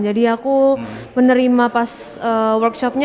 jadi aku menerima pas workshopnya